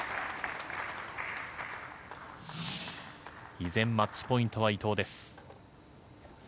依然マッチポイントは伊藤です。